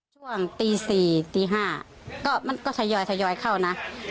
ช่วงตี๔ตี๕ก็มันก็ทยอยเข้านะ